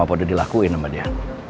apa udah dilakuin sama dia